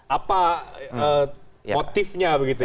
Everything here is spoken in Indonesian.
apa motifnya begitu ya